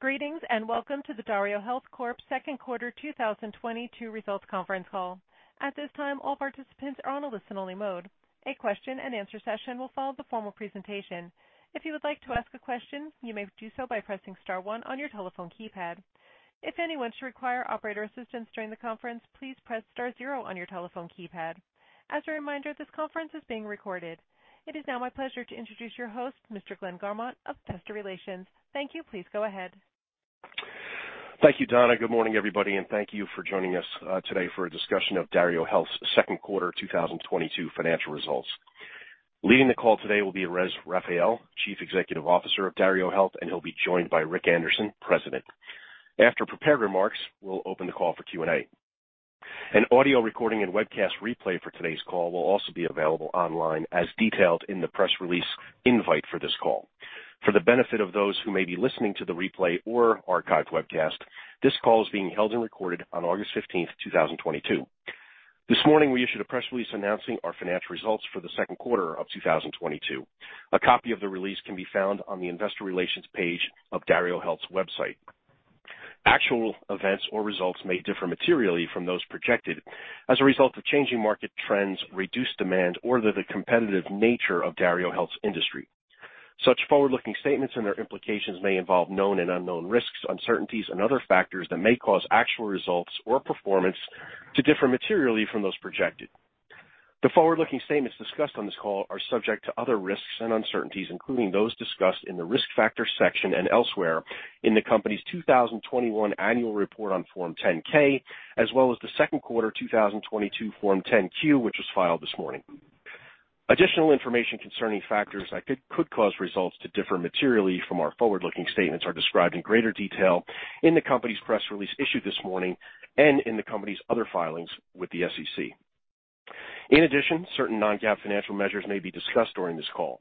Greetings, and welcome to the DarioHealth Corp. Q2 2022 Results Conference Call. At this time, all participants are on a listen-only mode. A question-and-answer session will follow the formal presentation. If you would like to ask a question, you may do so by pressing star one on your telephone keypad. If anyone should require operator assistance during the conference, please press star zero on your telephone keypad. As a reminder, this conference is being recorded. It is now my pleasure to introduce your host, Mr. Glenn Garmont of Investor Relations. Thank you. Please go ahead. Thank you, Donna. Good morning, everybody, and thank you for joining us today for a discussion of DarioHealth's Q2 2022 financial results. Leading the call today will be Erez Raphael, Chief Executive Officer of DarioHealth, and he'll be joined by Rick Anderson, President. After prepared remarks, we'll open the call for Q&A. An audio recording and webcast replay for today's call will also be available online as detailed in the press release invite for this call. For the benefit of those who may be listening to the replay or archived webcast, this call is being held and recorded on August fifteenth, 2022. This morning, we issued a press release announcing our financial results for the Q2 of 2022. A copy of the release can be found on the investor relations page of DarioHealth's website. Actual events or results may differ materially from those projected as a result of changing market trends, reduced demand, or the competitive nature of DarioHealth's industry. Such forward-looking statements and their implications may involve known and unknown risks, uncertainties, and other factors that may cause actual results or performance to differ materially from those projected. The forward-looking statements discussed on this call are subject to other risks and uncertainties, including those discussed in the Risk Factors section and elsewhere in the company's 2021 annual report on Form 10-K, as well as the Q2 2022 Form 10-Q, which was filed this morning. Additional information concerning factors that could cause results to differ materially from our forward-looking statements are described in greater detail in the company's press release issued this morning and in the company's other filings with the SEC. In addition, certain non-GAAP financial measures may be discussed during this call.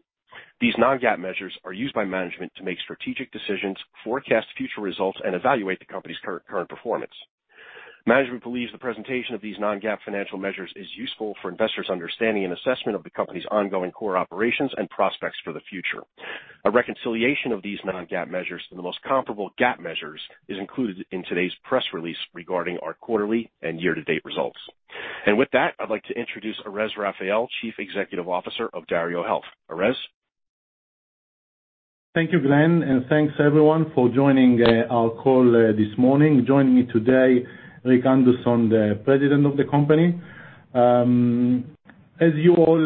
These non-GAAP measures are used by management to make strategic decisions, forecast future results, and evaluate the company's current performance. Management believes the presentation of these non-GAAP financial measures is useful for investors' understanding and assessment of the company's ongoing core operations and prospects for the future. A reconciliation of these non-GAAP measures to the most comparable GAAP measures is included in today's press release regarding our quarterly and year-to-date results. With that, I'd like to introduce Erez Raphael, Chief Executive Officer of DarioHealth. Erez? Thank you, Glenn, and thanks everyone for joining our call this morning. Joining me today, Rick Anderson, the President of the company. As you all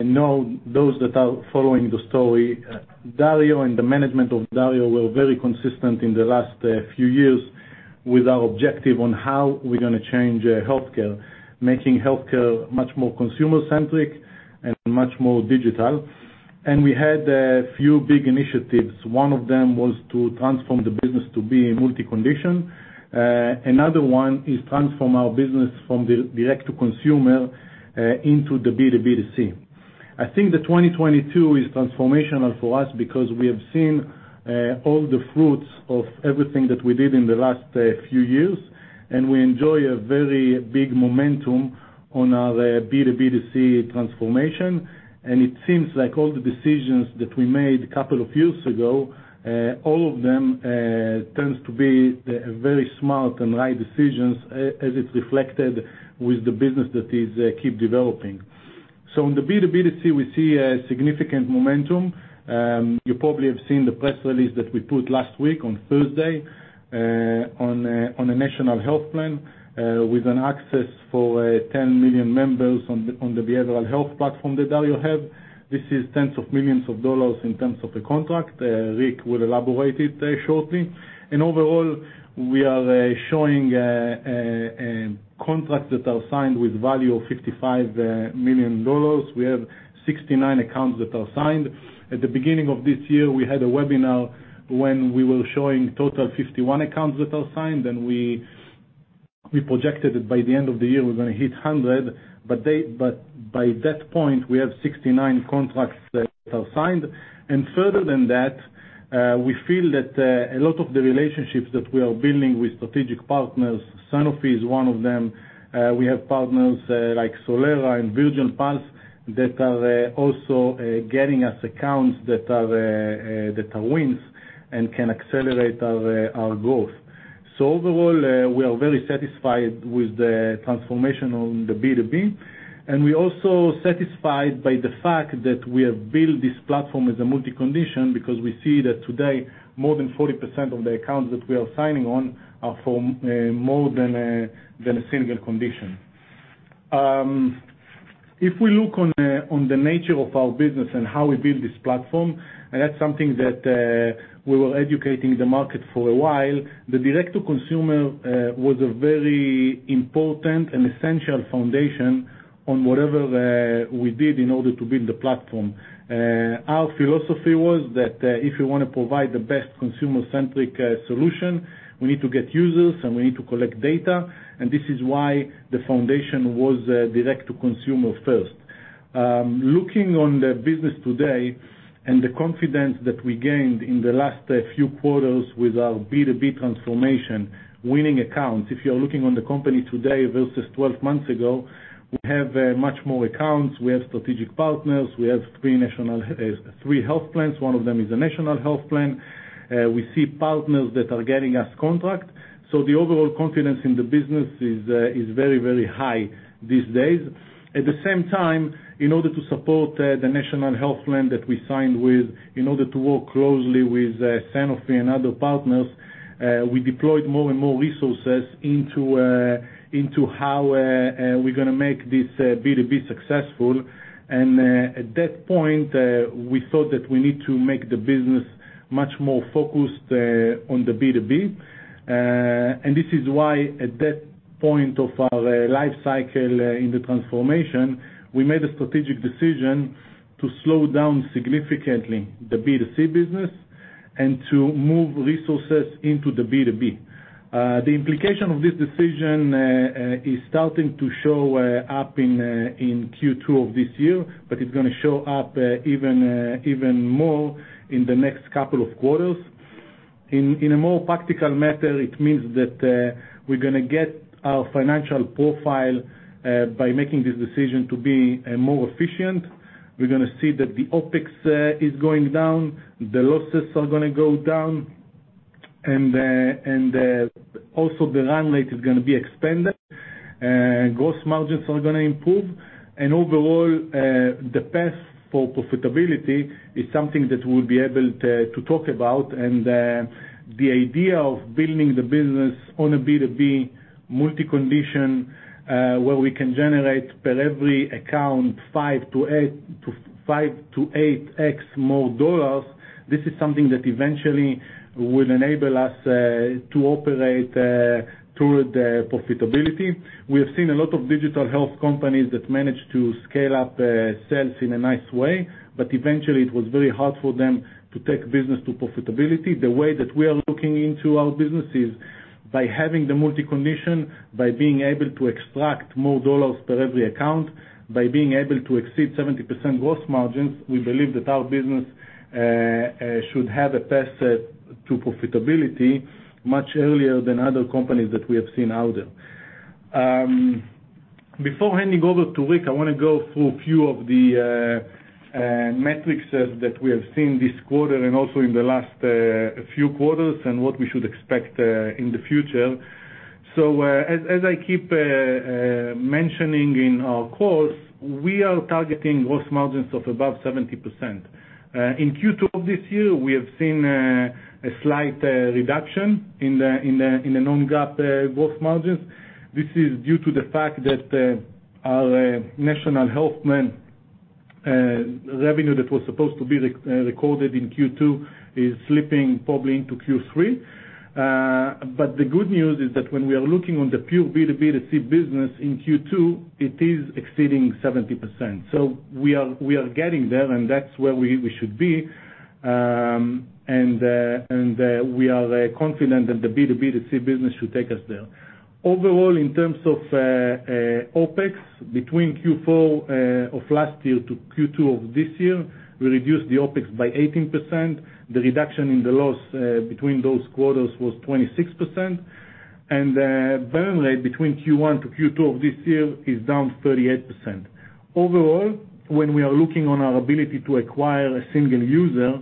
know, those that are following the story, Dario and the management of Dario were very consistent in the last few years with our objective on how we're gonna change healthcare, making healthcare much more consumer-centric and much more digital. We had a few big initiatives. One of them was to transform the business to be multi-condition. Another one is transform our business from the direct to consumer into the B2B2C. I think that 2022 is transformational for us because we have seen all the fruits of everything that we did in the last few years, and we enjoy a very big momentum on our B2B2C transformation. It seems like all the decisions that we made a couple of years ago, all of them, tends to be very smart and right decisions as it's reflected with the business that is keep developing. In the B2B2C, we see a significant momentum. You probably have seen the press release that we put last week on Thursday, on a national health plan with an access for 10 million members on the behavioral health platform that Dario have. This is tens of millions of dollars in terms of the contract. Rick will elaborate it shortly. Overall, we are showing contracts that are signed with value of $55 million. We have 69 accounts that are signed. At the beginning of this year, we had a webinar when we were showing total 51 accounts that are signed, and we projected that by the end of the year, we're gonna hit 100, but by that point, we have 69 contracts that are signed. Further than that, we feel that a lot of the relationships that we are building with strategic partners, Sanofi is one of them. We have partners like Solera and Virgin Pulse that are wins and can accelerate our growth. Overall, we are very satisfied with the transformation on the B2B, and we're also satisfied by the fact that we have built this platform as a multi-condition because we see that today more than 40% of the accounts that we are signing on are for more than a single condition. If we look on the nature of our business and how we build this platform, and that's something that we were educating the market for a while, the direct to consumer was a very important and essential foundation on whatever we did in order to build the platform. Our philosophy was that, if you wanna provide the best consumer-centric solution, we need to get users, and we need to collect data, and this is why the foundation was direct to consumer first. Looking on the business today and the confidence that we gained in the last few quarters with our B2B transformation, winning accounts. If you're looking on the company today versus 12 months ago, we have much more accounts. We have strategic partners. We have three health plans, one of them is a national health plan. We see partners that are getting us contracts. The overall confidence in the business is very, very high these days. At the same time, in order to support the national health plan that we signed with in order to work closely with Sanofi and other partners, we deployed more and more resources into how we're gonna make this B2B successful. At that point, we thought that we need to make the business much more focused on the B2B. This is why at that point of our lifecycle in the transformation, we made a strategic decision to slow down significantly the B2C business and to move resources into the B2B. The implication of this decision is starting to show up in Q2 of this year, but it's gonna show up even more in the next couple of quarters. In a more practical matter, it means that we're gonna get our financial profile by making this decision to be more efficient. We're gonna see that the OpEx is going down, the losses are gonna go down, and also the run rate is gonna be expanded, gross margins are gonna improve. Overall, the path for profitability is something that we'll be able to talk about. The idea of building the business on a B2B multi-condition, where we can generate per every account 5-8x more dollars, this is something that eventually will enable us to operate toward profitability. We have seen a lot of digital health companies that managed to scale up, sales in a nice way, but eventually it was very hard for them to take business to profitability. The way that we are looking into our business is by having the multi-condition, by being able to extract more dollars per every account, by being able to exceed 70% gross margins, we believe that our business should have a path to profitability much earlier than other companies that we have seen out there. Before handing over to Rick, I wanna go through a few of the metrics that we have seen this quarter and also in the last few quarters and what we should expect in the future. as I keep mentioning in our calls, we are targeting gross margins of above 70%. In Q2 of this year, we have seen a slight reduction in the non-GAAP gross margins. This is due to the fact that our national health plan revenue that was supposed to be recorded in Q2 is slipping probably into Q3. The good news is that when we are looking on the pure B2B to C business in Q2, it is exceeding 70%. We are getting there, and that's where we should be. We are confident that the B2B to C business should take us there. Overall, in terms of OpEx between Q4 of last year to Q2 of this year, we reduced the OpEx by 18%. The reduction in the loss between those quarters was 26%. Burn rate between Q1 to Q2 of this year is down 38%. Overall, when we are looking on our ability to acquire a single user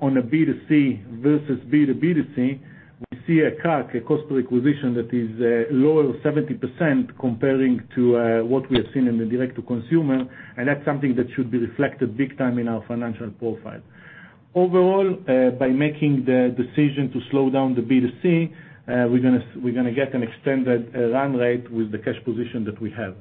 on a B2C versus B2B2C, we see a CAC, a cost per acquisition, that is lower 70% comparing to what we have seen in the direct to consumer, and that's something that should be reflected big time in our financial profile. Overall, by making the decision to slow down the B2C, we're gonna get an extended run rate with the cash position that we have.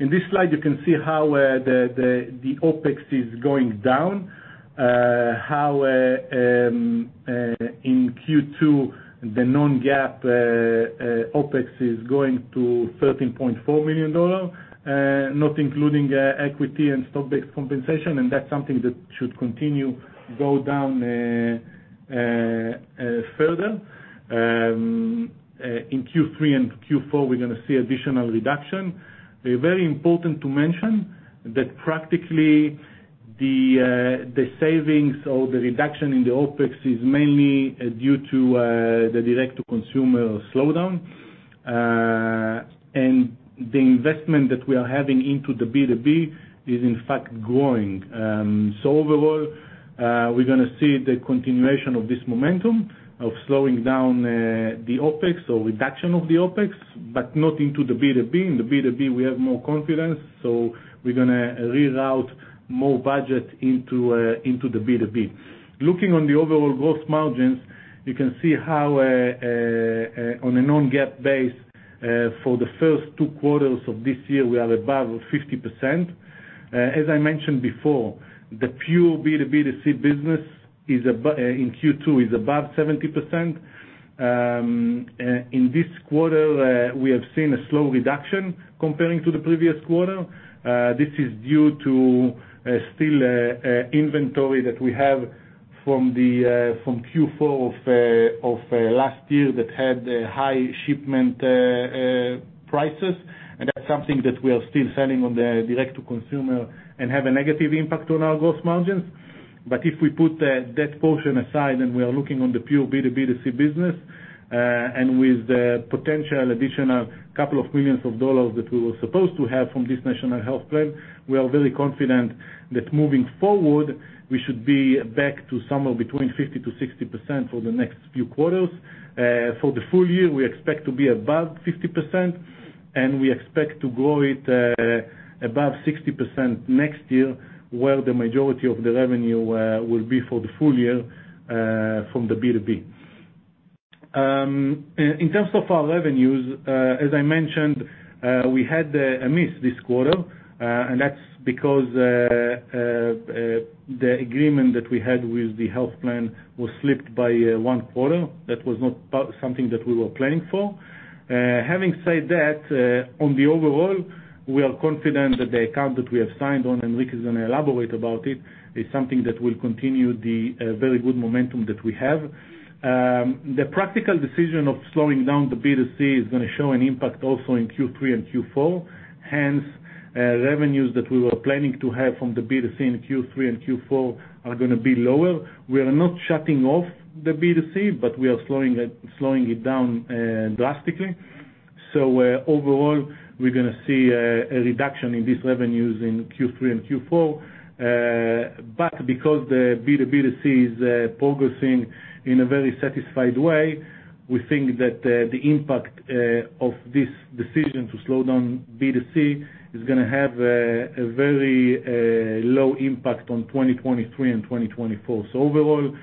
In this slide, you can see how the OpEx is going down, how in Q2 the non-GAAP OpEx is going to $13.4 million, not including equity and stock-based compensation, and that's something that should continue to go down further. In Q3 and Q4, we're gonna see additional reduction. Very important to mention that practically the savings or the reduction in the OpEx is mainly due to the direct-to-consumer slowdown. The investment that we are having into the B2B is in fact growing. Overall, we're gonna see the continuation of this momentum of slowing down the OpEx or reduction of the OpEx, but not into the B2B. In the B2B, we have more confidence, so we're gonna reroute more budget into the B2B. Looking on the overall gross margins, you can see how on a non-GAAP base for the first two quarters of this year, we are above 50%. As I mentioned before, the pure B2B2C business in Q2 is above 70%. In this quarter, we have seen a slow reduction comparing to the previous quarter. This is due to still inventory that we have from Q4 of last year that had high shipment prices. That's something that we are still selling on the direct to consumer and have a negative impact on our gross margins. If we put that portion aside, and we are looking on the pure B2B2C business, and with the potential additional $2 million that we were supposed to have from this national health plan, we are very confident that moving forward, we should be back to somewhere between 50%-60% for the next few quarters. For the full year, we expect to be above 50%, and we expect to grow it above 60% next year, where the majority of the revenue will be for the full year from the B2B. In terms of our revenues, as I mentioned, we had a miss this quarter, and that's because the agreement that we had with the health plan was slipped by one quarter. That was not something that we were planning for. Having said that, on the overall, we are confident that the account that we have signed on, and Rick is gonna elaborate about it, is something that will continue the very good momentum that we have. The practical decision of slowing down the B2C is gonna show an impact also in Q3 and Q4. Hence, revenues that we were planning to have from the B2C in Q3 and Q4 are gonna be lower. We are not shutting off the B2C, but we are slowing it down drastically. Overall, we're gonna see a reduction in these revenues in Q3 and Q4. Because the B2B2C is progressing in a very satisfied way, we think that the impact of this decision to slow down B2C is gonna have a very low impact on 2023 and 2024. Overall,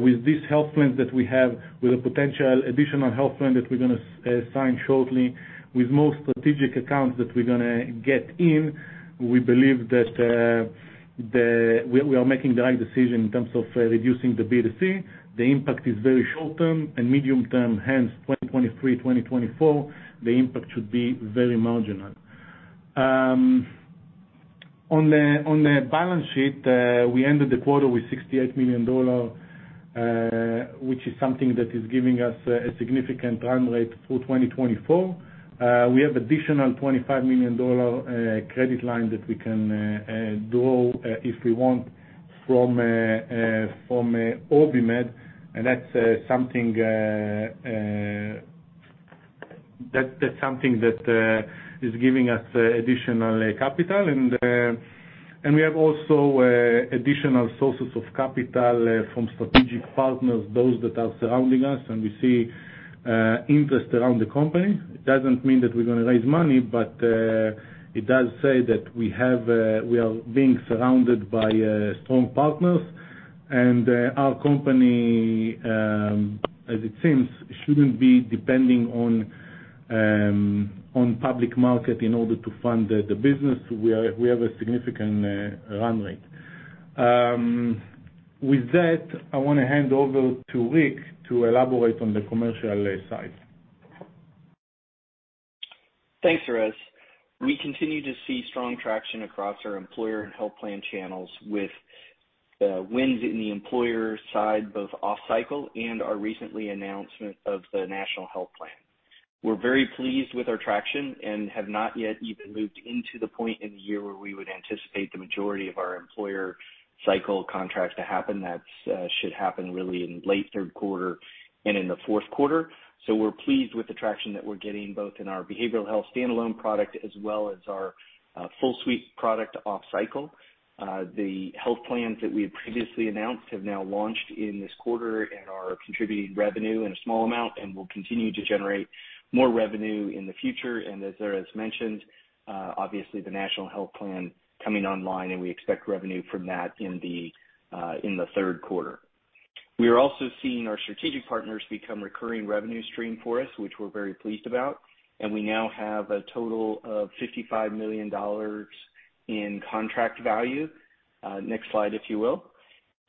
with these health plans that we have, with a potential additional health plan that we're gonna sign shortly, with more strategic accounts that we're gonna get in, we believe that we are making the right decision in terms of reducing the B2C. The impact is very short-term and medium-term, hence 2023, 2024, the impact should be very marginal. On the balance sheet, we ended the quarter with $68 million, which is something that is giving us a significant run rate through 2024. We have additional $25 million credit line that we can draw if we want from OrbiMed, and that's something that is giving us additional capital. We have also additional sources of capital from strategic partners, those that are surrounding us, and we see interest around the company. It doesn't mean that we're gonna raise money, but it does say that we are being surrounded by strong partners. Our company as it seems shouldn't be depending on public market in order to fund the business. We have a significant run rate. With that, I wanna hand over to Rick to elaborate on the commercial side. Thanks, Erez. We continue to see strong traction across our employer and health plan channels with wins in the employer side, both off cycle and our recent announcement of the national health plan. We're very pleased with our traction and have not yet even moved into the point in the year where we would anticipate the majority of our employer cycle contracts to happen. That should happen really in late Q3 and in the Q4. We're pleased with the traction that we're getting both in our behavioral health standalone product as well as our full suite product off cycle. The health plans that we had previously announced have now launched in this quarter and are contributing revenue in a small amount and will continue to generate more revenue in the future. As Erez mentioned, obviously the national health plan coming online, and we expect revenue from that in the Q3. We are also seeing our strategic partners become recurring revenue stream for us, which we're very pleased about. We now have a total of $55 million in contract value. Next slide, if you will.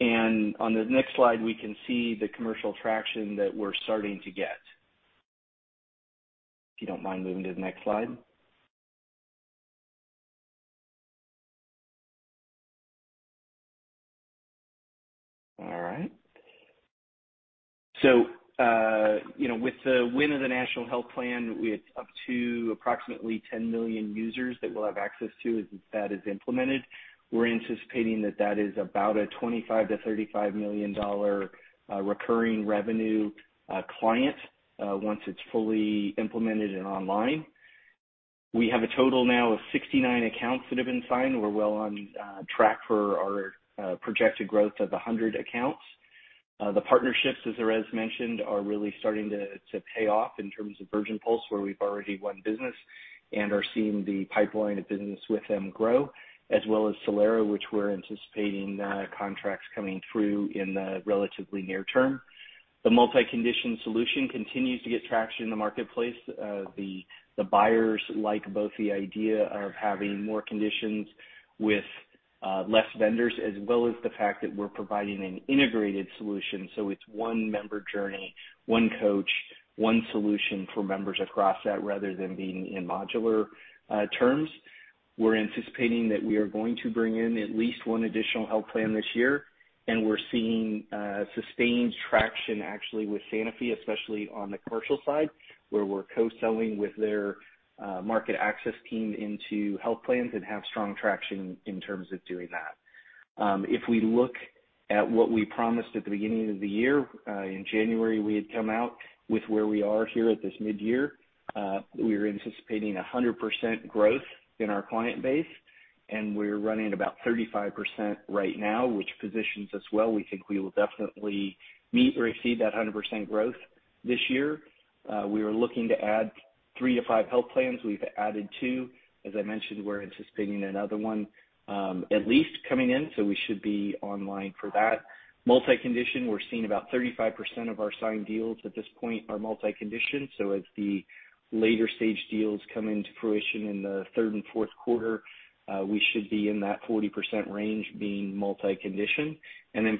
On the next slide, we can see the commercial traction that we're starting to get. If you don't mind moving to the next slide. All right. You know, with the win of the national health plan, with up to approximately 10 million users that we'll have access to as that is implemented, we're anticipating that is about a $25-$35 million recurring revenue client once it's fully implemented and online. We have a total now of 69 accounts that have been signed. We're well on track for our projected growth of 100 accounts. The partnerships, as Erez mentioned, are really starting to pay off in terms of Virgin Pulse, where we've already won business and are seeing the pipeline of business with them grow, as well as Solera, which we're anticipating contracts coming through in the relatively near term. The multi-condition solution continues to get traction in the marketplace. The buyers like both the idea of having more conditions with less vendors, as well as the fact that we're providing an integrated solution, so it's one member journey, one coach, one solution for members across that, rather than being in modular terms. We're anticipating that we are going to bring in at least one additional health plan this year, and we're seeing sustained traction actually with Sanofi, especially on the commercial side, where we're co-selling with their market access team into health plans and have strong traction in terms of doing that. If we look at what we promised at the beginning of the year in January, we had come out with where we are here at this midyear. We were anticipating 100% growth in our client base, and we're running about 35% right now, which positions us well. We think we will definitely meet or exceed that 100% growth this year. We were looking to add 3-5 health plans. We've added 2. As I mentioned, we're anticipating another one at least coming in, so we should be online for that. Multi-condition, we're seeing about 35% of our signed deals at this point are multi-condition. As the later stage deals come into fruition in the third and Q4, we should be in that 40% range being multi-condition.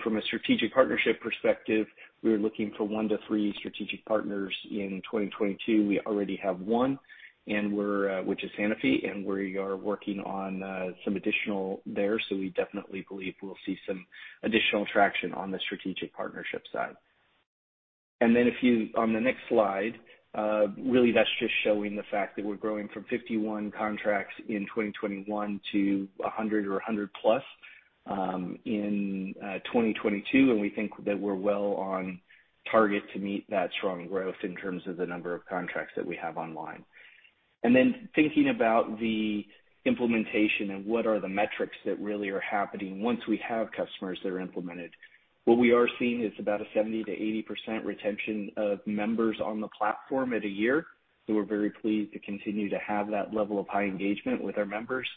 From a strategic partnership perspective, we're looking for 1-3 strategic partners in 2022. We already have one, which is Sanofi, and we are working on some additional there. We definitely believe we'll see some additional traction on the strategic partnership side. On the next slide, really that's just showing the fact that we're growing from 51 contracts in 2021 to 100 or 100+ in 2022. We think that we're well on target to meet that strong growth in terms of the number of contracts that we have online. Thinking about the implementation and what are the metrics that really are happening once we have customers that are implemented, what we are seeing is about a 70%-80% retention of members on the platform at a year. We're very pleased to continue to have that level of high engagement with our members.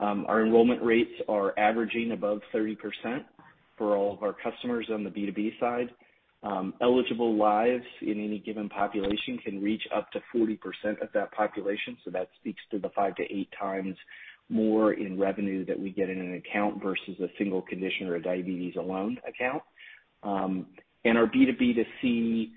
Our enrollment rates are averaging above 30% for all of our customers on the B2B side. Eligible lives in any given population can reach up to 40% of that population, so that speaks to the 5-8 times more in revenue that we get in an account versus a single condition or a diabetes alone account. Our B2B2C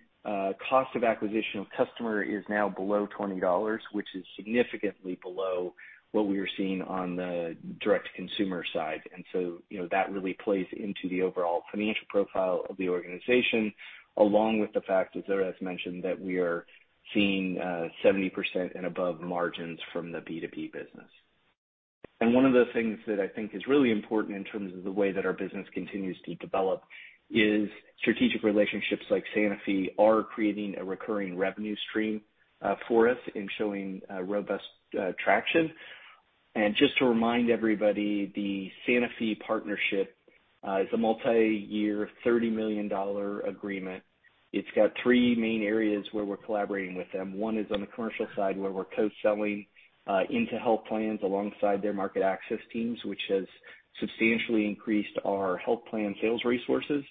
cost of acquisition of customer is now below $20, which is significantly below what we are seeing on the direct-to-consumer side. You know, that really plays into the overall financial profile of the organization, along with the fact, as Erez mentioned, that we are seeing 70% and above margins from the B2B business. One of the things that I think is really important in terms of the way that our business continues to develop is strategic relationships like Sanofi are creating a recurring revenue stream for us in showing robust traction. Just to remind everybody, the Sanofi partnership is a multi-year $30 million agreement. It's got three main areas where we're collaborating with them. One is on the commercial side where we're co-selling into health plans alongside their market access teams, which has substantially increased our health plan sales resources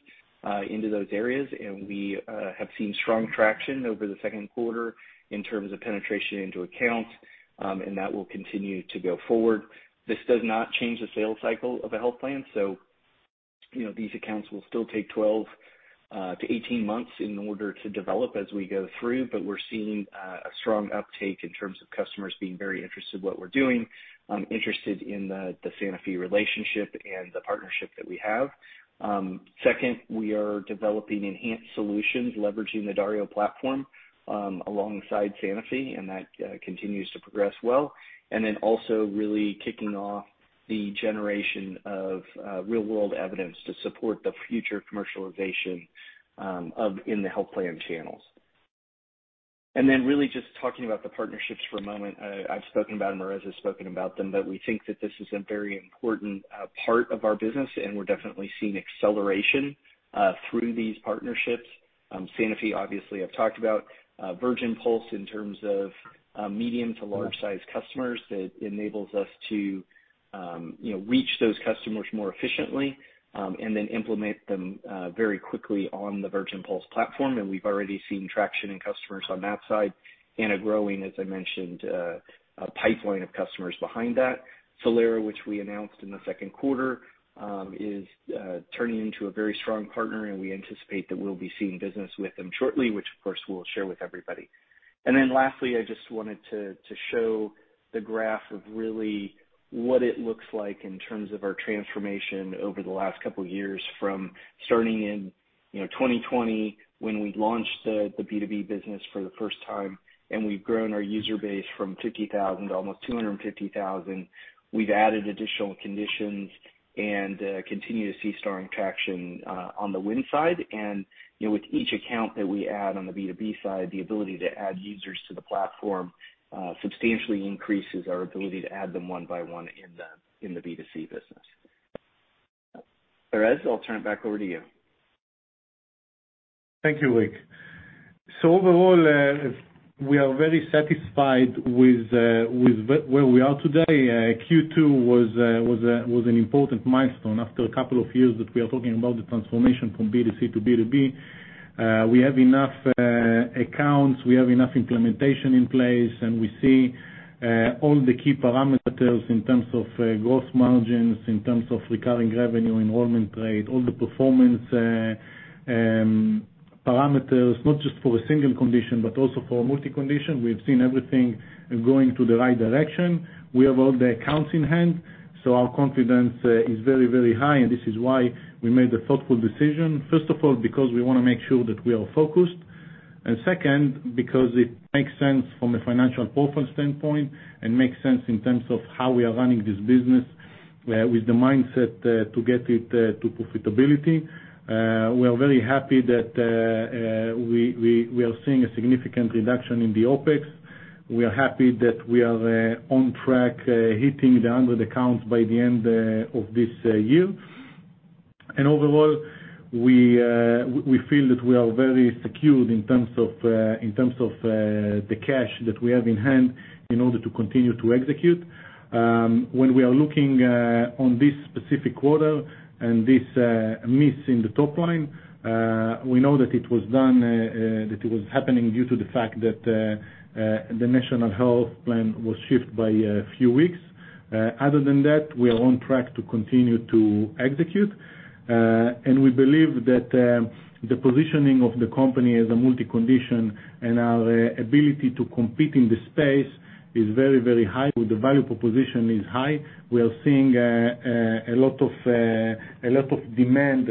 into those areas. We have seen strong traction over the Q2 in terms of penetration into accounts, and that will continue to go forward. This does not change the sales cycle of a health plan, so you know, these accounts will still take 12-18 months in order to develop as we go through. We're seeing a strong uptake in terms of customers being very interested in what we're doing, interested in the Sanofi relationship and the partnership that we have. Second, we are developing enhanced solutions leveraging the Dario platform, alongside Sanofi, and that continues to progress well. Also really kicking off the generation of real-world evidence to support the future commercialization of in the health plan channels. Really just talking about the partnerships for a moment. I've spoken about them, Erez has spoken about them, but we think that this is a very important part of our business, and we're definitely seeing acceleration through these partnerships. Sanofi obviously I've talked about. Virgin Pulse in terms of medium to large sized customers that enables us to reach those customers more efficiently, and then implement them very quickly on the Virgin Pulse platform. We've already seen traction in customers on that side and a growing, as I mentioned, a pipeline of customers behind that. Solera, which we announced in the Q2, is turning into a very strong partner, and we anticipate that we'll be seeing business with them shortly, which of course we'll share with everybody. Lastly, I just wanted to show the graph of really what it looks like in terms of our transformation over the last couple of years from starting in 2020 when we launched the B2B business for the first time, and we've grown our user base from 50,000 to almost 250,000. We've added additional conditions and continue to see strong traction on the win side. You know, with each account that we add on the B2B side, the ability to add users to the platform substantially increases our ability to add them one by one in the B2C business. Erez, I'll turn it back over to you. Thank you, Luke. Overall, we are very satisfied with where we are today. Q2 was an important milestone after a couple of years that we are talking about the transformation from B2C to B2B. We have enough accounts, we have enough implementation in place, and we see all the key parameters in terms of gross margins, in terms of recurring revenue, enrollment rate, all the performance parameters, not just for a single condition, but also for multi-condition. We've seen everything going to the right direction. We have all the accounts in hand, so our confidence is very, very high, and this is why we made the thoughtful decision. First of all, because we wanna make sure that we are focused. Second, because it makes sense from a financial performance standpoint and makes sense in terms of how we are running this business, with the mindset to get it to profitability. We are very happy that we are seeing a significant reduction in the OpEx. We are happy that we are on track hitting 100 accounts by the end of this year. Overall, we feel that we are very secure in terms of the cash that we have in hand in order to continue to execute. When we are looking on this specific quarter and this miss in the top line, we know that it was done that it was happening due to the fact that the national health plan was shifted by a few weeks. Other than that, we are on track to continue to execute, and we believe that the positioning of the company as a multi-condition and our ability to compete in the space is very, very high. The value proposition is high. We are seeing a lot of demand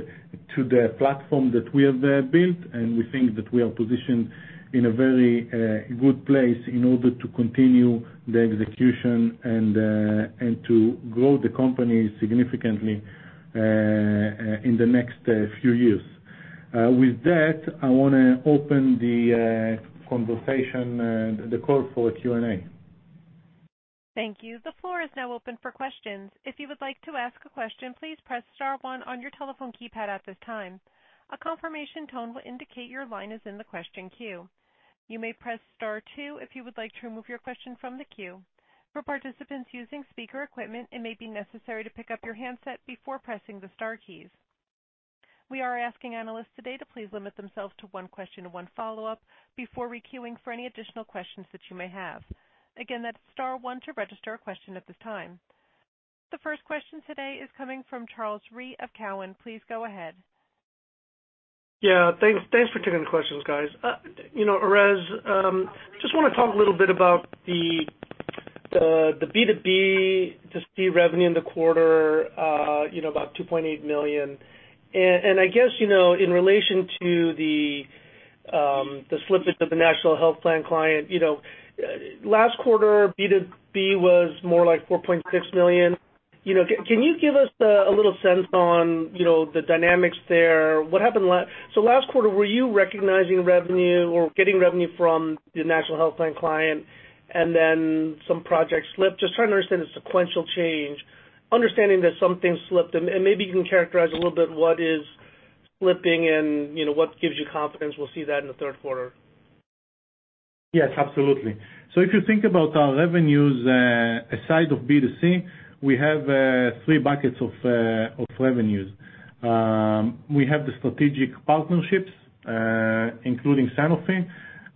to the platform that we have built, and we think that we are positioned in a very good place in order to continue the execution and to grow the company significantly in the next few years. With that, I wanna open the call for Q&A. Thank you. The floor is now open for questions. If you would like to ask a question, please press star one on your telephone keypad at this time. A confirmation tone will indicate your line is in the question queue. You may press star two if you would like to remove your question from the queue. For participants using speaker equipment, it may be necessary to pick up your handset before pressing the star keys. We are asking analysts today to please limit themselves to one question and one follow-up before re-queuing for any additional questions that you may have. Again, that's star one to register a question at this time. The first question today is coming from Charles Rhyee of Cowen. Please go ahead. Yeah, thanks. Thanks for taking the questions, guys. You know, Erez, just wanna talk a little bit about the B2B, just the revenue in the quarter about $2.8 million. I guess in relation to the slippage of the national health plan client last quarter, B2B was more like $4.6 million. You know, can you give us a little sense on the dynamics there? Last quarter, were you recognizing revenue or getting revenue from the national health plan client and then some projects slipped? Just trying to understand the sequential change, understanding that some things slipped. Maybe you can characterize a little bit what is slipping and what gives you confidence we'll see that in the Q3. Yes, absolutely. If you think about our revenues, aside from B2C, we have three buckets of revenues. We have the strategic partnerships, including Sanofi,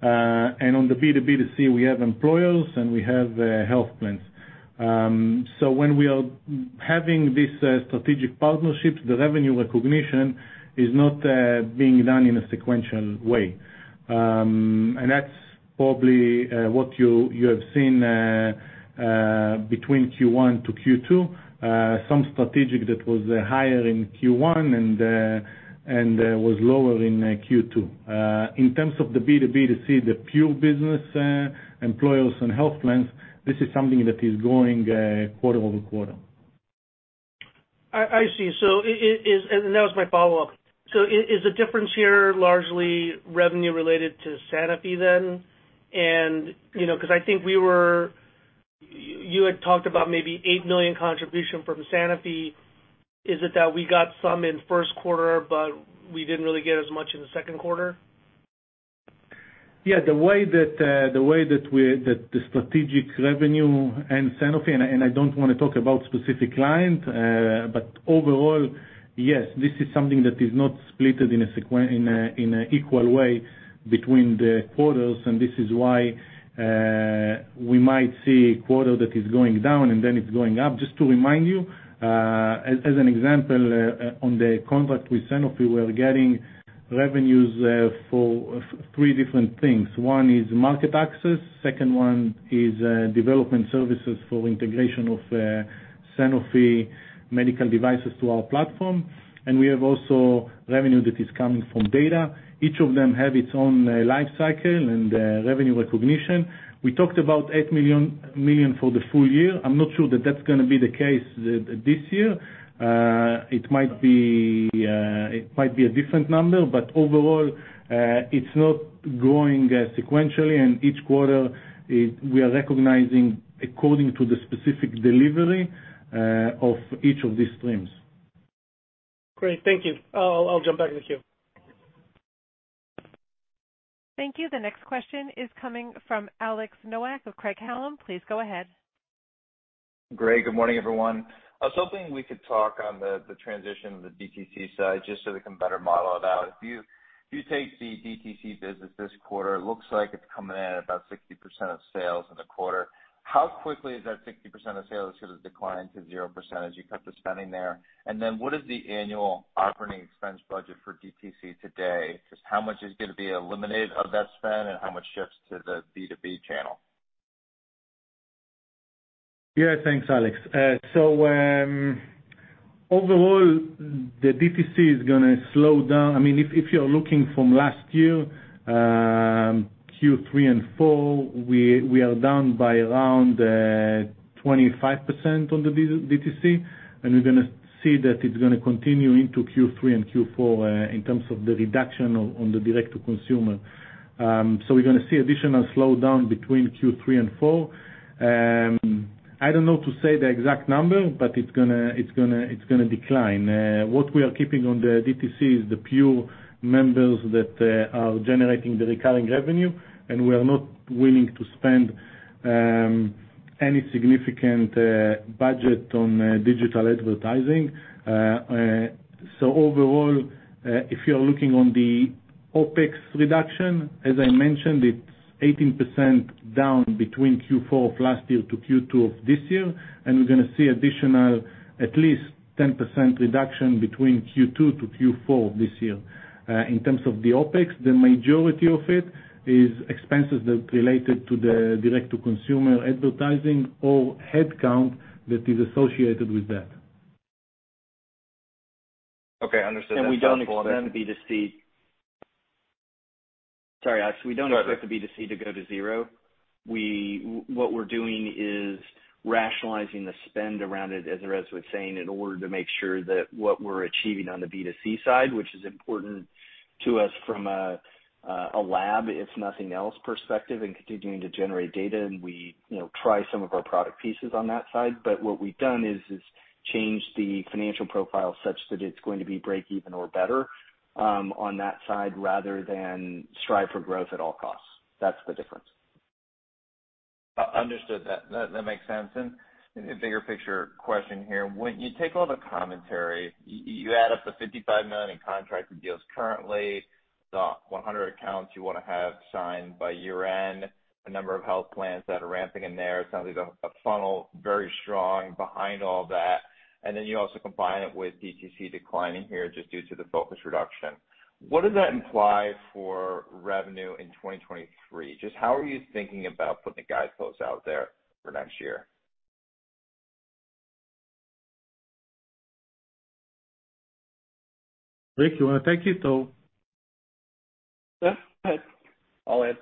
and on the B2B2C, we have employers, and we have health plans. When we are having these strategic partnerships, the revenue recognition is not being done in a sequential way. That's probably what you have seen between Q1 to Q2. Some strategic that was higher in Q1 and was lower in Q2. In terms of the B2B2C, the pure business, employers and health plans, this is something that is growing quarter-over-quarter. I see. That was my follow-up. Is the difference here largely revenue related to Sanofi then? You know, 'cause I think we were. You had talked about maybe $8 million contribution from Sanofi. Is it that we got some in Q1, but we didn't really get as much in the Q2? Yeah. The way that the strategic revenue and Sanofi, and I don't wanna talk about specific client, but overall, yes, this is something that is not split in an equal way between the quarters, and this is why we might see a quarter that is going down and then it's going up. Just to remind you, as an example, on the contract with Sanofi, we're getting revenues for three different things. One is market access, second one is development services for integration of Sanofi medical devices to our platform, and we have also revenue that is coming from data. Each of them have its own life cycle and revenue recognition. We talked about $8 million for the full year. I'm not sure that that's gonna be the case this year. It might be a different number, but overall, it's not growing sequentially, and each quarter we are recognizing according to the specific delivery of each of these streams. Great. Thank you. I'll jump back in the queue. Thank you. The next question is coming from Alex Nowak of Craig-Hallum. Please go ahead. Great. Good morning, everyone. I was hoping we could talk on the transition of the DTC side just so we can better model it out. If you take the DTC business this quarter, it looks like it's coming in at about 60% of sales in the quarter. How quickly is that 60% of sales gonna decline to 0% as you cut the spending there? And then what is the annual operating expense budget for DTC today? Just how much is gonna be eliminated of that spend and how much shifts to the B2B channel? Yeah, thanks, Alex. Overall the DTC is gonna slow down. I mean, if you're looking from last year, Q3 and Q4, we are down by around 25% on the DTC, and we're gonna see that it's gonna continue into Q3 and Q4 in terms of the reduction on the direct to consumer. We're gonna see additional slowdown between Q3 and Q4. I don't know to say the exact number, but it's gonna decline. What we are keeping on the DTC is the pure members that are generating the recurring revenue, and we are not willing to spend any significant budget on digital advertising. Overall, if you're looking on the OpEx reduction, as I mentioned, it's 18% down between Q4 of last year to Q2 of this year. We're gonna see additional at least 10% reduction between Q2 to Q4 this year. In terms of the OpEx, the majority of it is expenses that related to the direct to consumer advertising or headcount that is associated with that. Okay, understood. That's helpful. Sorry, Alex. We don't expect the B2C to go to zero. What we're doing is rationalizing the spend around it, as Erez was saying, in order to make sure that what we're achieving on the B2C side, which is important to us from a lab, if nothing else, perspective, and continuing to generate data and we try some of our product pieces on that side. But what we've done is changed the financial profile such that it's going to be break even or better, on that side rather than strive for growth at all costs. That's the difference. Understood that. That makes sense. Maybe a bigger picture question here. When you take all the commentary, you add up the $55 million in contracted deals currently, the 100 accounts you wanna have signed by year-end, the number of health plans that are ramping in there, it sounds like a funnel very strong behind all that. Then you also combine it with DTC declining here just due to the focus reduction. What does that imply for revenue in 2023? Just how are you thinking about putting the guideposts out there for next year? Rick, you wanna take it or? Yeah, go ahead. I'll add.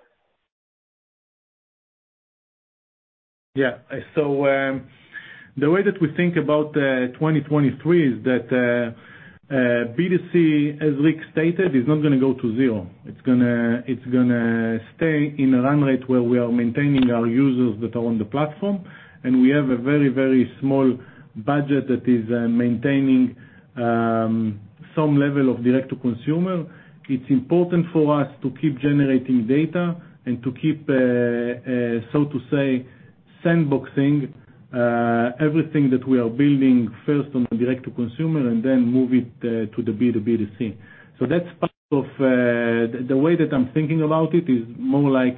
Yeah. The way that we think about 2023 is that B2C, as Rick stated, is not gonna go to zero. It's gonna stay in a run rate where we are maintaining our users that are on the platform, and we have a very small budget that is maintaining some level of direct to consumer. It's important for us to keep generating data and to keep so to say, sandboxing everything that we are building first on the direct to consumer and then move it to the B2B2C. That's part of the way that I'm thinking about it, is more like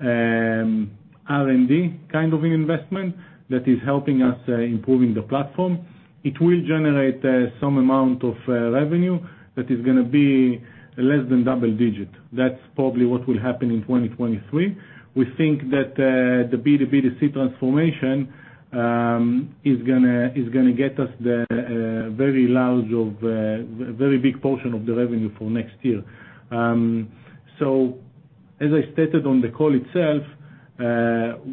R&D kind of an investment that is helping us improving the platform. It will generate some amount of revenue that is gonna be less than double digit. That's probably what will happen in 2023. We think that the B2B2C transformation is gonna get us the very big portion of the revenue for next year. As I stated on the call itself,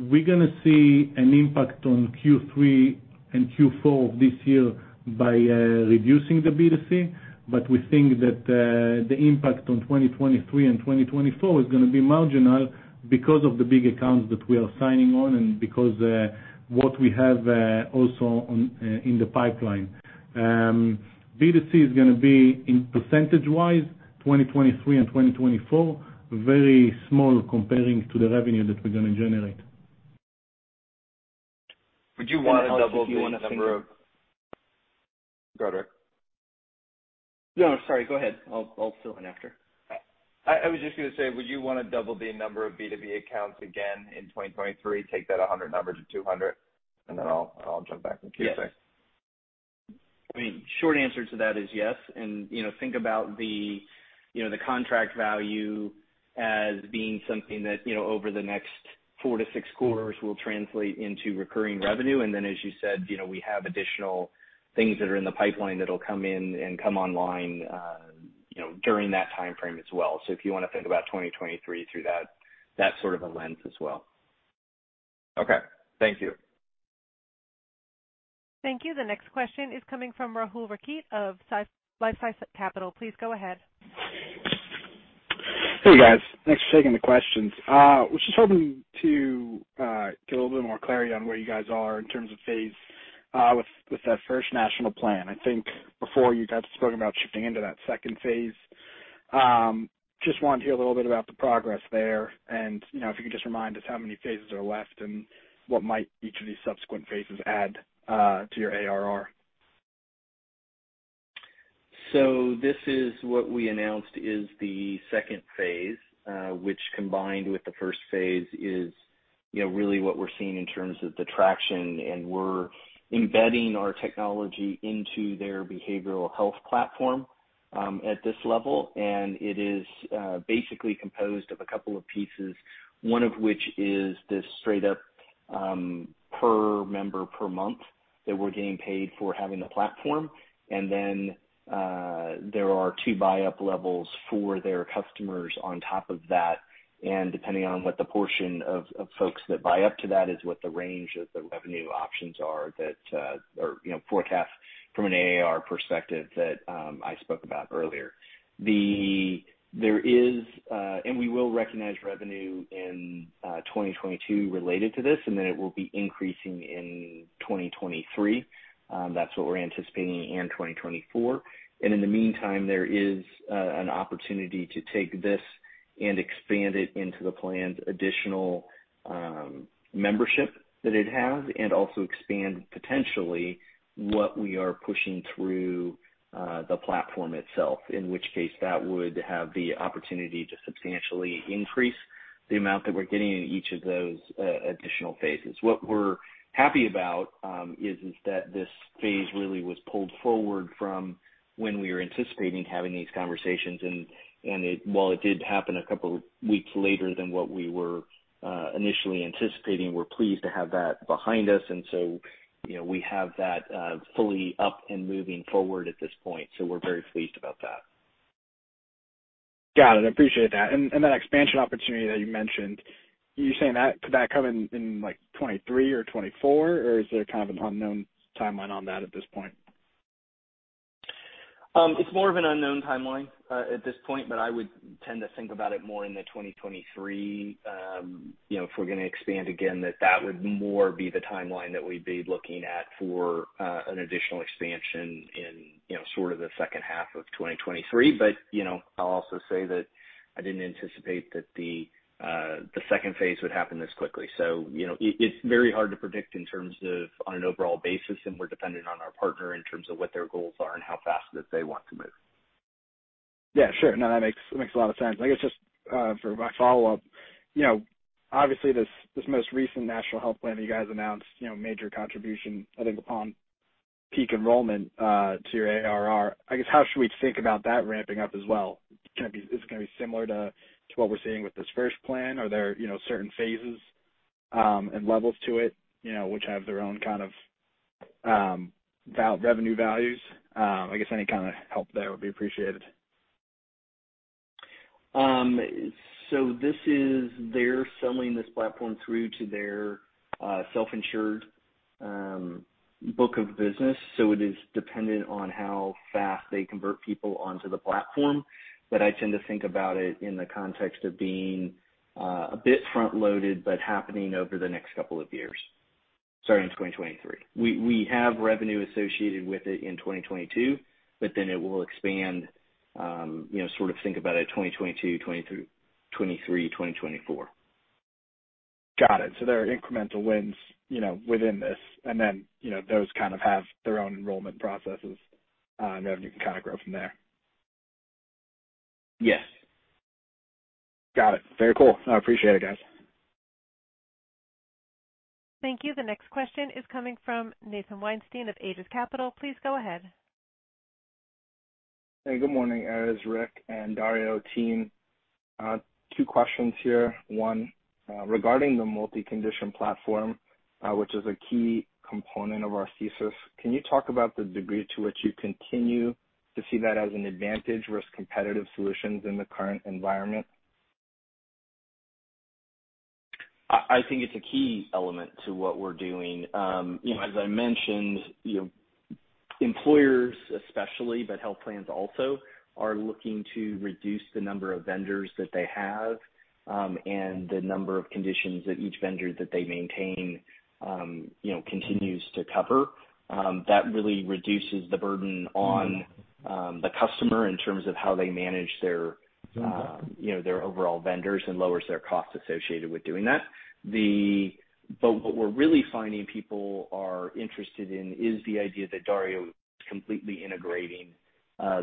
we're gonna see an impact on Q3 and Q4 of this year by reducing the B2C, but we think that the impact on 2023 and 2024 is gonna be marginal because of the big accounts that we are signing on and because what we have also in the pipeline. B2C is gonna be in percentage-wise 2023 and 2024, very small comparing to the revenue that we're gonna generate. Would you wanna double the number of? Alex, if you want to single- Go, Rick. No, sorry. Go ahead. I'll fill in after. I was just gonna say, would you wanna double the number of B2B accounts again in 2023? Take that 100 number to 200, and then I'll jump back in case- Yes. I mean, short answer to that is yes. You know, think about the you know, the contract value as being something that you know, over the next 4-6 quarters will translate into recurring revenue. Then as you said we have additional things that are in the pipeline that'll come in and come online during that timeframe as well. If you wanna think about 2023 through that sort of a lens as well. Okay. Thank you. Thank you. The next question is coming from Rahul Rakhit of LifeSci Capital. Please go ahead. Hey, guys. Thanks for taking the questions. Was just hoping to get a little bit more clarity on where you guys are in terms of phase with that first national plan. I think before you guys spoke about shifting into that second phase. Just wanted to hear a little bit about the progress there and if you could just remind us how many phases are left and what might each of these subsequent phases add to your ARR. This is what we announced is the second phase, which combined with the first phase is really what we're seeing in terms of the traction, and we're embedding our technology into their behavioral health platform at this level. It is basically composed of a couple of pieces, one of which is this straight up per member per month that we're getting paid for having the platform. Then there are two buy-up levels for their customers on top of that. Depending on what the portion of folks that buy up to that is what the range of the revenue options are that, or forecast from an ARR perspective that I spoke about earlier. There is, and we will recognize revenue in 2022 related to this, and then it will be increasing in 2023. That's what we're anticipating in 2024. In the meantime, there is an opportunity to take this and expand it into the planned additional membership that it has and also expand potentially what we are pushing through the platform itself. In which case that would have the opportunity to substantially increase the amount that we're getting in each of those additional phases. What we're happy about is that this phase really was pulled forward from when we were anticipating having these conversations. While it did happen a couple of weeks later than what we were initially anticipating, we're pleased to have that behind us. You know, we have that fully up and moving forward at this point. We're very pleased about that. Got it. Appreciate that. That expansion opportunity that you mentioned, you're saying that, could that come in like 2023 or 2024, or is there kind of an unknown timeline on that at this point? It's more of an unknown timeline at this point, but I would tend to think about it more in 2023 if we're gonna expand again, that would more be the timeline that we'd be looking at for an additional expansion in sort of the H2 of 2023. but I'll also say that I didn't anticipate that the second phase would happen this quickly. You know, it's very hard to predict in terms of on an overall basis, and we're dependent on our partner in terms of what their goals are and how fast that they want to move. Yeah, sure. No, that makes a lot of sense. I guess just for my follow-up obviously this most recent national health plan that you guys announced major contribution, I think, upon peak enrollment to your ARR. I guess, how should we think about that ramping up as well? Is this gonna be similar to what we're seeing with this first plan? Are there certain phases and levels to it which have their own kind of revenue values? I guess any kind of help there would be appreciated. This is they're selling this platform through to their self-insured book of business, so it is dependent on how fast they convert people onto the platform. I tend to think about it in the context of being a bit front-loaded, but happening over the next couple of years, starting in 2023. We have revenue associated with it in 2022, but then it will expand sort of think about it 2022, 2023, 2024. Got it. There are incremental wins within this, and then those kind of have their own enrollment processes, and then you can kind of grow from there. Yes. Got it. Very cool. I appreciate it, guys. Thank you. The next question is coming from Nathan Weinstein of Aegis Capital. Please go ahead. Hey, good morning, Erez, Rick and DarioHealth team. Two questions here. One, regarding the multi-condition platform, which is a key component of our thesis, can you talk about the degree to which you continue to see that as an advantage versus competitive solutions in the current environment? I think it's a key element to what we're doing. You know, as I mentioned employers especially, but health plans also, are looking to reduce the number of vendors that they have, and the number of conditions that each vendor that they maintain continues to cover. That really reduces the burden on the customer in terms of how they manage their their overall vendors and lowers their costs associated with doing that. What we're really finding people are interested in is the idea that Dario is completely integrating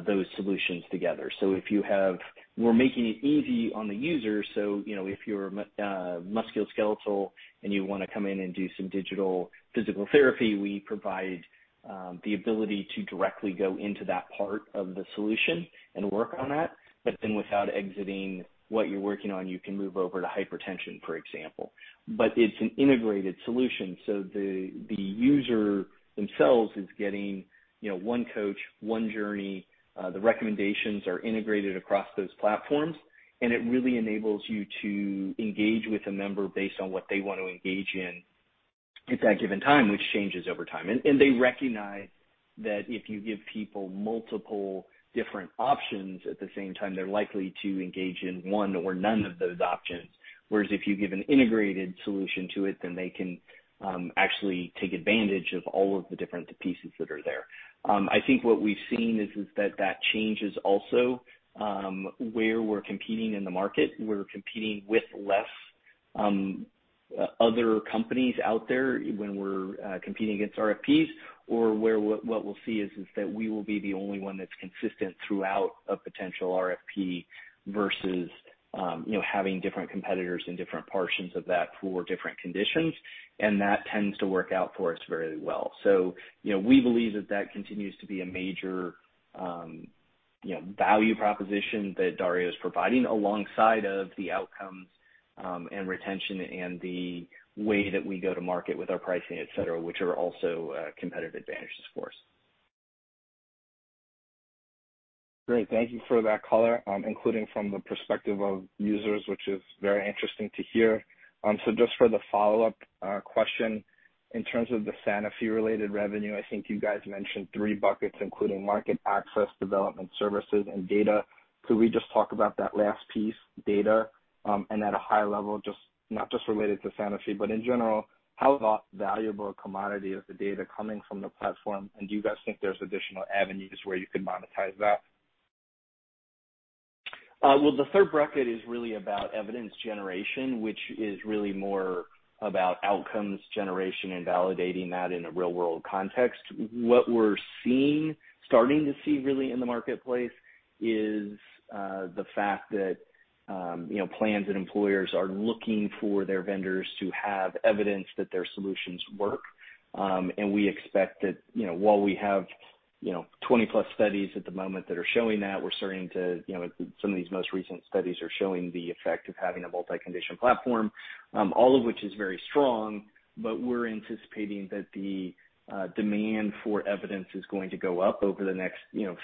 those solutions together. We're making it easy on the user, so if you're musculoskeletal and you wanna come in and do some digital physical therapy, we provide the ability to directly go into that part of the solution and work on that. Without exiting what you're working on, you can move over to hypertension, for example. It's an integrated solution, so the user themselves is getting one coach, one journey. The recommendations are integrated across those platforms, and it really enables you to engage with a member based on what they want to engage in at that given time, which changes over time. They recognize that if you give people multiple different options at the same time, they're likely to engage in one or none of those options. Whereas if you give an integrated solution to it, then they can actually take advantage of all of the different pieces that are there. I think what we've seen is that change is also where we're competing in the market. We're competing with less Other companies out there when we're competing against RFPs, what we'll see is that we will be the only one that's consistent throughout a potential RFP versus having different competitors in different portions of that for different conditions. That tends to work out for us very well. You know, we believe that continues to be a major value proposition that Dario is providing alongside of the outcomes and retention and the way that we go to market with our pricing, et cetera, which are also competitive advantages for us. Great. Thank you for that color, including from the perspective of users, which is very interesting to hear. Just for the follow-up question, in terms of the Sanofi-related revenue, I think you guys mentioned three buckets, including market access, development services, and data. Could we just talk about that last piece, data, and at a high level, not just related to Sanofi, but in general, how valuable a commodity is the data coming from the platform, and do you guys think there's additional avenues where you could monetize that? Well, the third bracket is really about evidence generation, which is really more about outcomes generation and validating that in a real-world context. What we're seeing, starting to see really in the marketplace is, the fact that plans and employers are looking for their vendors to have evidence that their solutions work. We expect that while we have 20+ studies at the moment that are showing that, we're starting to some of these most recent studies are showing the effect of having a multi-condition platform, all of which is very strong. We're anticipating that the, demand for evidence is going to go up over the next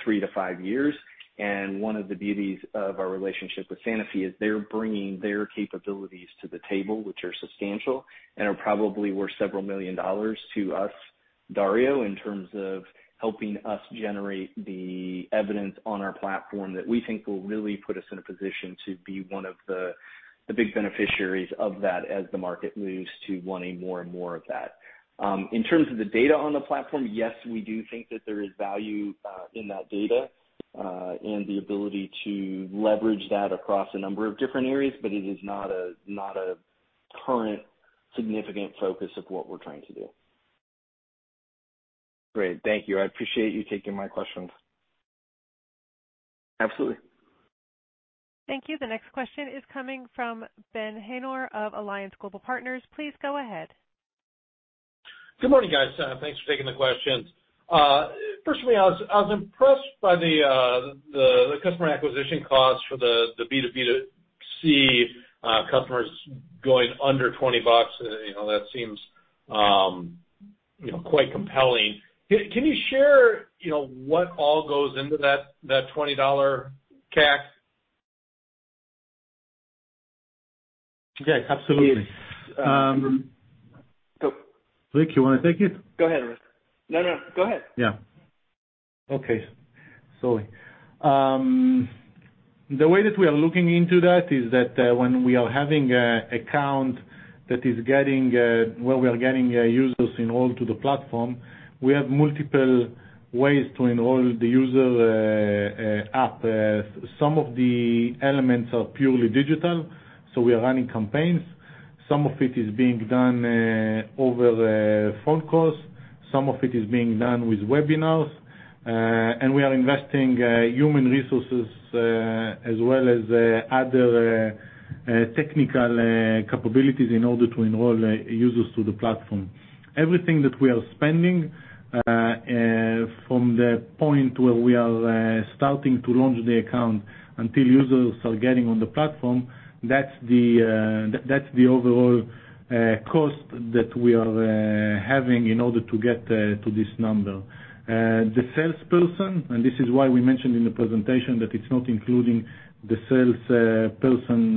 three-five years. One of the beauties of our relationship with Sanofi is they're bringing their capabilities to the table, which are substantial and are probably worth $ several million to us, DarioHealth, in terms of helping us generate the evidence on our platform that we think will really put us in a position to be one of the big beneficiaries of that as the market moves to wanting more and more of that. In terms of the data on the platform, yes, we do think that there is value in that data and the ability to leverage that across a number of different areas, but it is not a current significant focus of what we're trying to do. Great. Thank you. I appreciate you taking my questions. Absolutely. Thank you. The next question is coming from Ben Haynor of Alliance Global Partners. Please go ahead. Good morning, guys. Thanks for taking the questions. Firstly, I was impressed by the customer acquisition costs for the B2B2C customers going under $20. You know, that seems quite compelling. Can you share what all goes into that $20 CAC? Yes, absolutely. Go- Rick, you wanna take it? Go ahead, Erez. No, no, go ahead. Yeah. Okay. Sorry. The way that we are looking into that is that when we are getting users enrolled to the platform, we have multiple ways to enroll the user app. Some of the elements are purely digital, so we are running campaigns. Some of it is being done over phone calls, some of it is being done with webinars, and we are investing human resources as well as other technical capabilities in order to enroll users to the platform. Everything that we are spending from the point where we are starting to launch the account until users are getting on the platform, that's the overall cost that we are having in order to get to this number. The salesperson, and this is why we mentioned in the presentation that it's not including the salesperson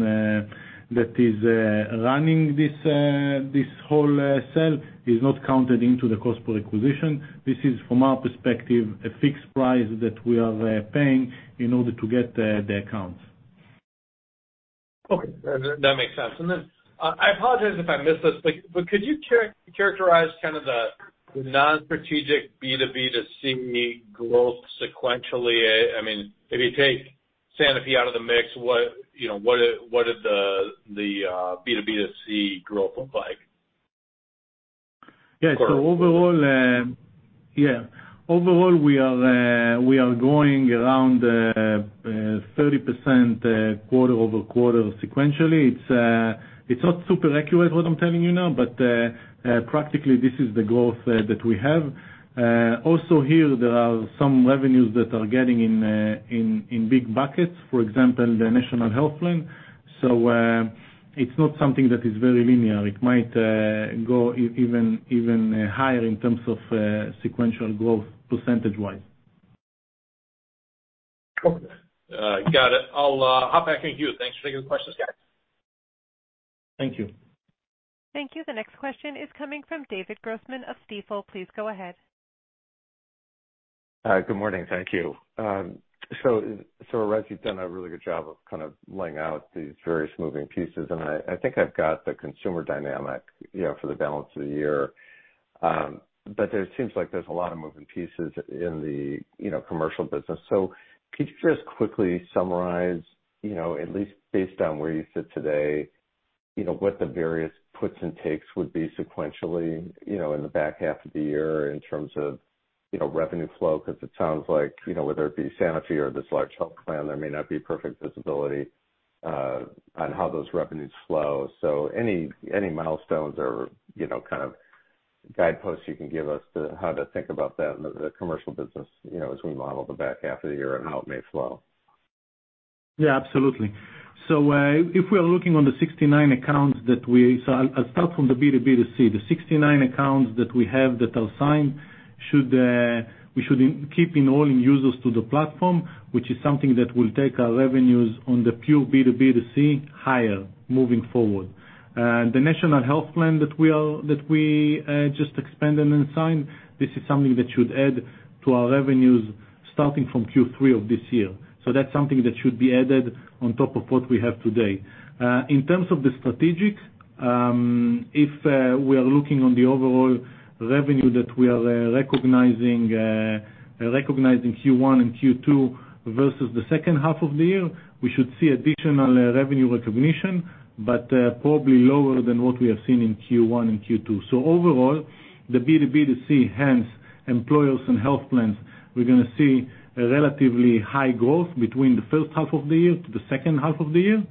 that is running this whole sale, is not counted into the cost per acquisition. This is, from our perspective, a fixed price that we are paying in order to get the accounts. Okay. That makes sense. I apologize if I missed this, but could you characterize kind of the non-strategic B2B2C growth sequentially? I mean, if you take Sanofi out of the mix what did the B2B2C growth look like? Yeah. Overall we are growing around 30% quarter-over-quarter sequentially. It's not super accurate what I'm telling you now, but practically this is the growth that we have. Also here, there are some revenues that are getting in in big buckets, for example, the national health plan. It's not something that is very linear. It might go even higher in terms of sequential growth percentage-wise. Okay. Got it. I'll hop back in queue. Thanks for taking the questions, guys. Thank you. Thank you. The next question is coming from David Grossman of Stifel. Please go ahead. Good morning. Thank you. Erez, you've done a really good job of kind of laying out these various moving pieces, and I think I've got the consumer dynamic for the balance of the year. There seems like there's a lot of moving pieces in the commercial business. Could you just quickly summarize at least based on where you sit today what the various puts and takes would be sequentially in the back half of the year in terms of revenue flow? Because it sounds like whether it be Sanofi or this large health plan, there may not be perfect visibility on how those revenues flow. Any milestones or kind of guideposts you can give us to how to think about that in the commercial business as we model the back half of the year and how it may flow. Yeah, absolutely. If we are looking at the 69 accounts that we have that are signed, we should keep enrolling users to the platform, which is something that will take our revenues in the pure B2B2C higher moving forward. The national health plan that we just expanded and signed, this is something that should add to our revenues starting from Q3 of this year. That's something that should be added on top of what we have today. In terms of the strategic, if we are looking on the overall revenue that we are recognizing Q1 and Q2 versus the H2 of the year, we should see additional revenue recognition, but probably lower than what we have seen in Q1 and Q2. Overall, the B2B2C, hence employers and health plans, we're gonna see a relatively high growth between the H1 of the year to the H2 of the year.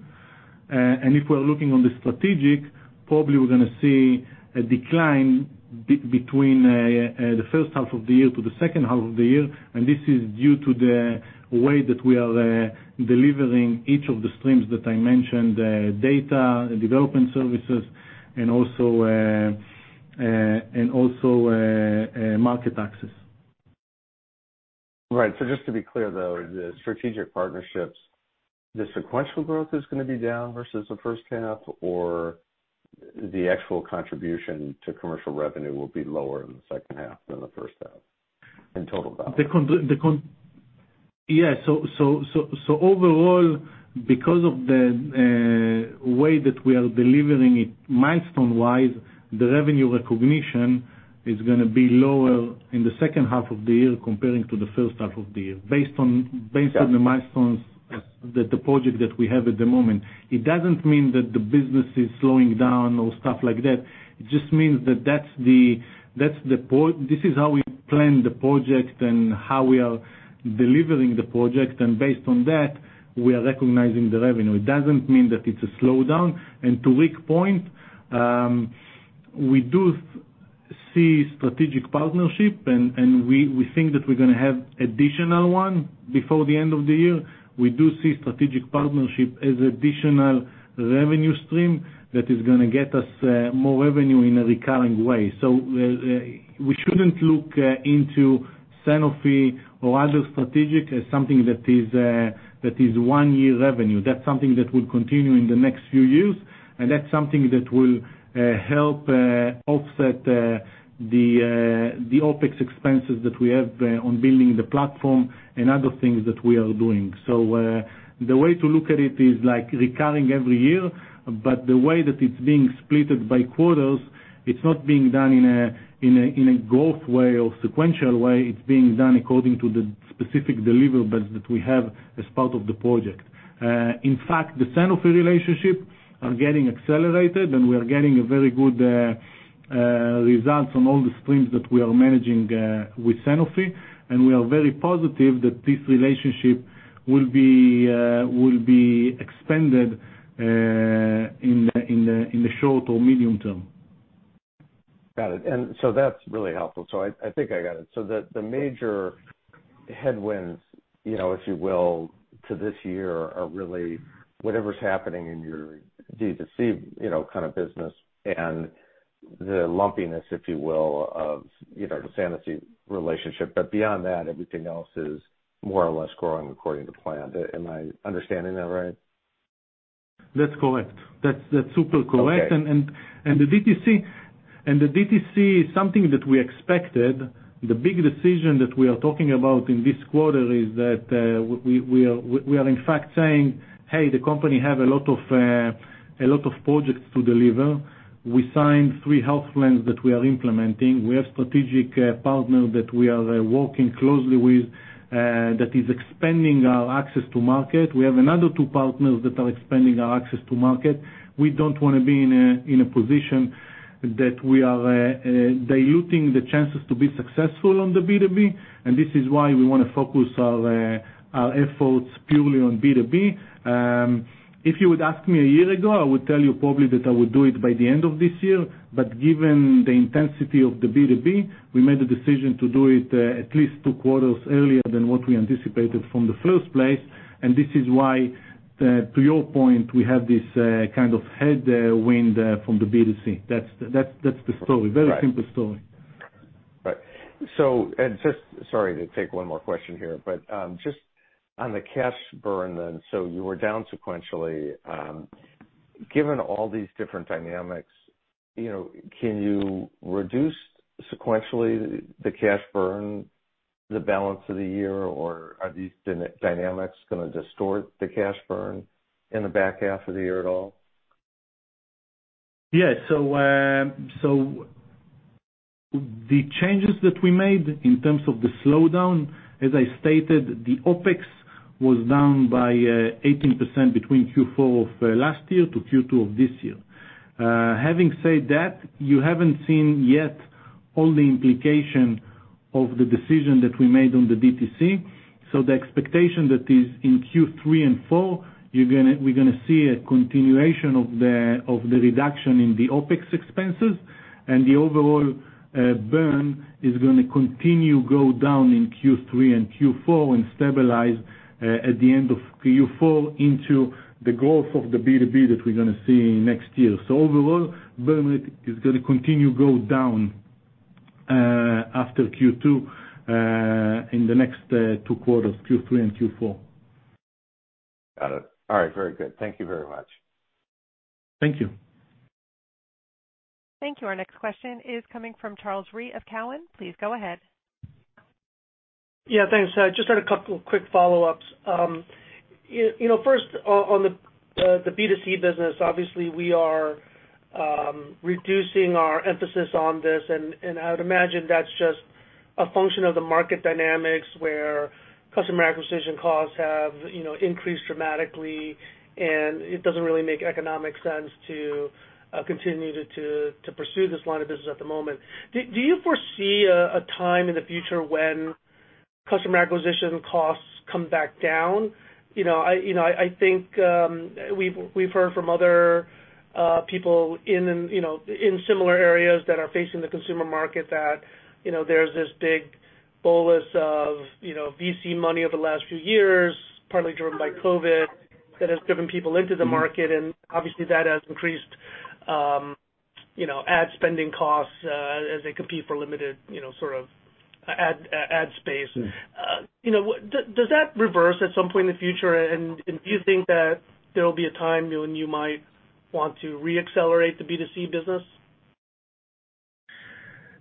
If we're looking on the strategic, probably we're gonna see a decline between the H1 of the year to the H2 of the year, and this is due to the way that we are delivering each of the streams that I mentioned, data, development services, and market access. Right. Just to be clear, though, the strategic partnerships, the sequential growth is gonna be down versus the H1, or the actual contribution to commercial revenue will be lower in the H2 than the H1 in total dollars? Overall, because of the way that we are delivering it milestone-wise, the revenue recognition is gonna be lower in the H2 of the year compared to the H1 of the year, based on the milestones that the project that we have at the moment. It doesn't mean that the business is slowing down or stuff like that. It just means that this is how we plan the project and how we are delivering the project, and based on that, we are recognizing the revenue. It doesn't mean that it's a slowdown. To Rick's point, we do see strategic partnership, and we think that we're gonna have additional one before the end of the year. We do see strategic partnership as additional revenue stream that is gonna get us more revenue in a recurring way. We shouldn't look into Sanofi or other strategic as something that is one year revenue. That's something that will continue in the next few years, and that's something that will help offset the OpEx expenses that we have on building the platform and other things that we are doing. The way to look at it is like recurring every year, but the way that it's being split by quarters, it's not being done in a growth way or sequential way. It's being done according to the specific deliverables that we have as part of the project. In fact, the Sanofi relationship are getting accelerated, and we are getting a very good results on all the streams that we are managing with Sanofi, and we are very positive that this relationship will be expanded in the short or medium term. Got it. That's really helpful. I think I got it. The major headwinds if you will, to this year are really whatever's happening in your dtc kind of business and the lumpiness, if you will, of the Sanofi relationship. Beyond that, everything else is more or less growing according to plan. Am I understanding that right? That's correct. That's super correct. Okay. The DTC is something that we expected. The big decision that we are talking about in this quarter is that we are in fact saying, hey, the company have a lot of projects to deliver. We signed three health plans that we are implementing. We have strategic partners that we are working closely with that is expanding our access to market. We have another two partners that are expanding our access to market. We don't wanna be in a position that we are diluting the chances to be successful on the B2B, and this is why we wanna focus our efforts purely on B2B. If you would ask me a year ago, I would tell you probably that I would do it by the end of this year. Given the intensity of the B2B, we made a decision to do it at least two quarters earlier than what we anticipated from the first place, and this is why, to your point, we have this kind of headwind from the B2C. That's the story. Right. Very simple story. Right. Sorry to take one more question here, but just on the cash burn then, so you were down sequentially. Given all these different dynamics can you reduce sequentially the cash burn? The balance of the year or are these dynamics gonna distort the cash burn in the back half of the year at all? Yes. The changes that we made in terms of the slowdown, as I stated, the OpEx was down by 18% between Q4 of last year to Q2 of this year. Having said that, you haven't seen yet all the implication of the decision that we made on the DTC. The expectation that is in Q3 and Q4, we're gonna see a continuation of the reduction in the OpEx expenses, and the overall burn is gonna continue go down in Q3 and Q4 and stabilize at the end of Q4 into the growth of the B2B that we're gonna see next year. Overall, burn rate is gonna continue go down after Q2 in the next two quarters, Q3 and Q4. Got it. All right, very good. Thank you very much. Thank you. Thank you. Our next question is coming from Charles Rhee of Cowen. Please go ahead. Yeah, thanks. I just had a couple of quick follow-ups. You know, first on the B2C business, obviously we are reducing our emphasis on this, and I would imagine that's just a function of the market dynamics where customer acquisition costs have increased dramatically and it doesn't really make economic sense to continue to pursue this line of business at the moment. Do you foresee a time in the future when customer acquisition costs come back down? You know, I think we've heard from other people in you know in similar areas that are facing the consumer market that you know there's this big bolus of VC money over the last few years, partly driven by COVID, that has driven people into the market, and obviously that has increased ad spending costs as they compete for limited you know sort of ad space. You know, does that reverse at some point in the future, and do you think that there will be a time when you might want to reaccelerate the B2C business?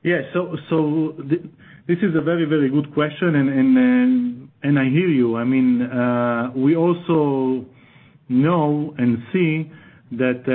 This is a very good question, and I hear you. I mean, we also know and see that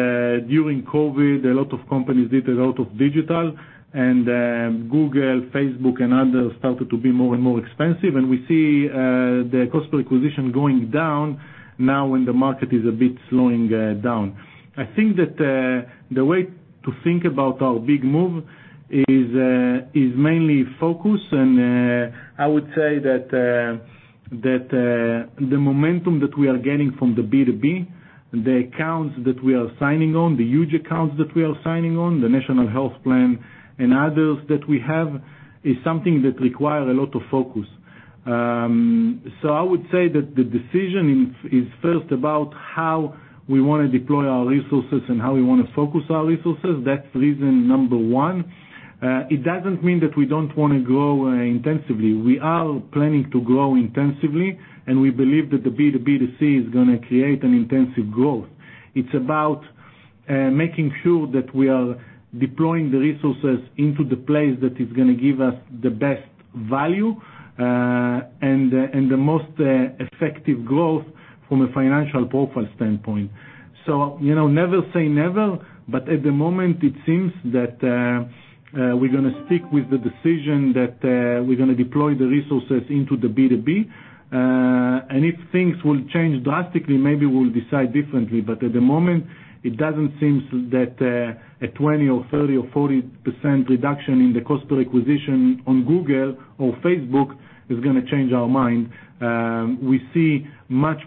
during COVID, a lot of companies did a lot of digital and Google, Facebook, and others started to be more and more expensive. We see the cost per acquisition going down now when the market is a bit slowing down. I think that the way to think about our big move is mainly focus. I would say that the momentum that we are getting from the B2B, the accounts that we are signing on, the huge accounts that we are signing on, the national health plan and others that we have, is something that require a lot of focus. I would say that the decision is first about how we wanna deploy our resources and how we wanna focus our resources. That's reason number one. It doesn't mean that we don't wanna grow intensively. We are planning to grow intensively, and we believe that the B2B2C is gonna create an intensive growth. It's about making sure that we are deploying the resources into the place that is gonna give us the best value, and the most effective growth from a financial profile standpoint. You know, never say never, but at the moment it seems that we're gonna stick with the decision that we're gonna deploy the resources into the B2B. If things will change drastically, maybe we'll decide differently. At the moment it doesn't seem that a 20% or 30% or 40% reduction in the cost per acquisition on Google or Facebook is gonna change our mind. We see much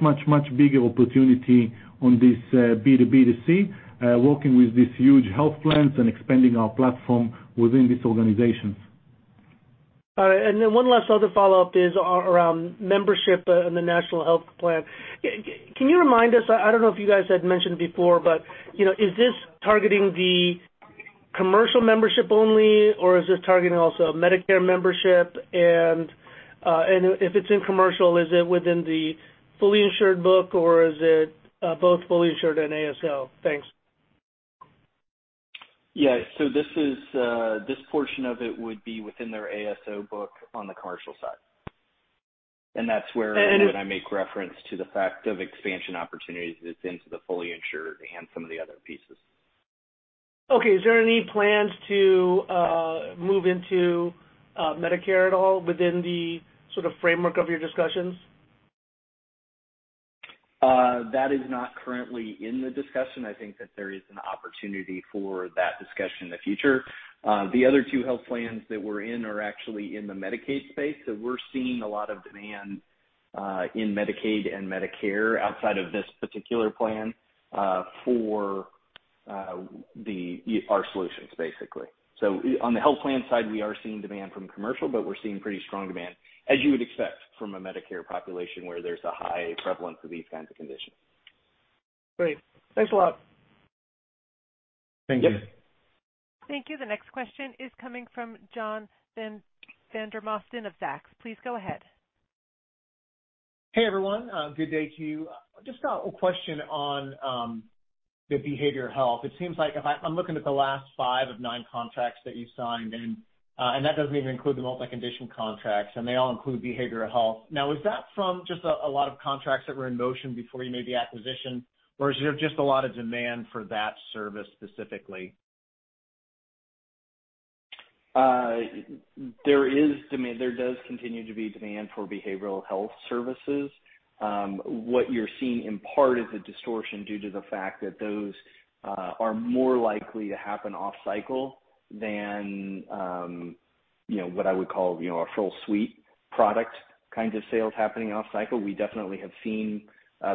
bigger opportunity on this B2B2C working with these huge health plans and expanding our platform within these organizations. All right. Then one last other follow-up is around membership and the national health plan. Can you remind us, I don't know if you guys had mentioned before, but you know, is this targeting the commercial membership only, or is this targeting also Medicare membership? If it's in commercial, is it within the fully insured book, or is it both fully insured and ASO? Thanks. This portion of it would be within their ASO book on the commercial side. That's where, when I make reference to the fact of expansion opportunities, it's into the fully insured and some of the other pieces. Okay. Is there any plans to move into Medicare at all within the sort of framework of your discussions? That is not currently in the discussion. I think that there is an opportunity for that discussion in the future. The other two health plans that we're in are actually in the Medicaid space. We're seeing a lot of demand in Medicaid and Medicare outside of this particular plan for our solutions basically. On the health plan side, we are seeing demand from commercial, but we're seeing pretty strong demand, as you would expect from a Medicare population where there's a high prevalence of these kinds of conditions. Great. Thanks a lot. Thank you. Yep. Thank you. The next question is coming from John Vandermosten of Zacks Small-Cap Research. Please go ahead. Hey, everyone, good day to you. Just got a question on the behavioral health. It seems like I'm looking at the last 5 of 9 contracts that you signed and that doesn't even include the multi-condition contracts, and they all include behavioral health. Now, is that from just a lot of contracts that were in motion before you made the acquisition, or is there just a lot of demand for that service specifically? There is demand. There does continue to be demand for behavioral health services. What you're seeing in part is a distortion due to the fact that those are more likely to happen off cycle than what I would call a full suite product, kind of sales happening off cycle. We definitely have seen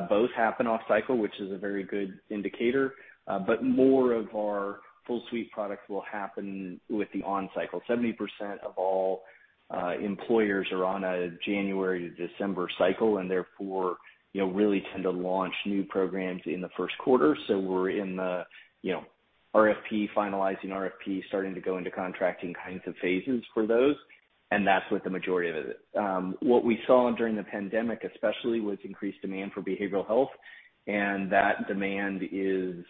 both happen off cycle, which is a very good indicator. More of our full suite products will happen with the on cycle. 70% of all employers are on a January to December cycle and therefore really tend to launch new programs in the Q1. We're in the RFP, finalizing RFP, starting to go into contracting kinds of phases for those, and that's what the majority of it. What we saw during the pandemic especially was increased demand for behavioral health, and that demand is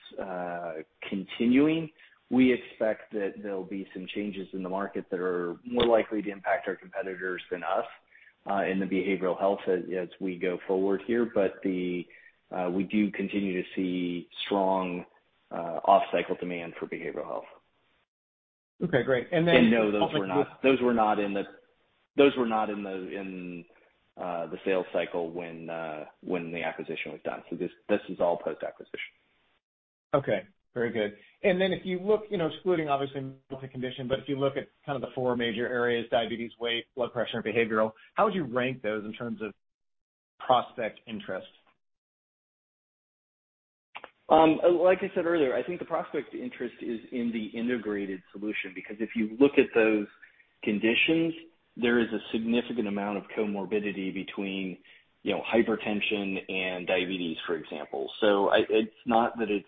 continuing. We expect that there'll be some changes in the market that are more likely to impact our competitors than us in the behavioral health as we go forward here. We do continue to see strong off-cycle demand for behavioral health. Okay, great. No, those were not in the sales cycle when the acquisition was done. This is all post-acquisition. Okay, very good. If you look excluding obviously multi-condition, but if you look at kind of the four major areas, diabetes, weight, blood pressure, and behavioral, how would you rank those in terms of prospect interest? Like I said earlier, I think the prospect interest is in the integrated solution, because if you look at those conditions, there is a significant amount of comorbidity between hypertension and diabetes, for example. It's not that it's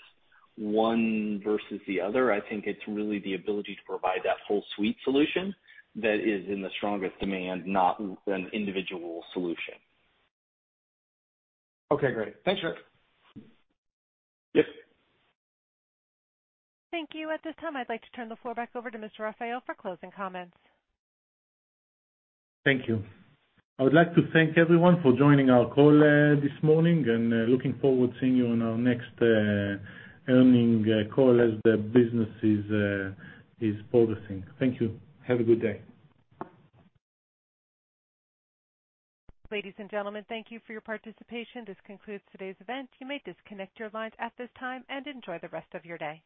one versus the other. I think it's really the ability to provide that full suite solution that is in the strongest demand, not an individual solution. Okay, great. Thanks, Rick. Yes. Thank you. At this time, I'd like to turn the floor back over to Mr. Raphael for closing comments. Thank you. I would like to thank everyone for joining our call this morning, and looking forward to seeing you on our next earnings call as the business is progressing. Thank you. Have a good day. Ladies and gentlemen, thank you for your participation. This concludes today's event. You may disconnect your lines at this time and enjoy the rest of your day.